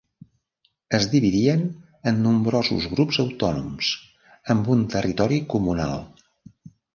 Es dividien en nombrosos grups autònoms, amb un territori comunal.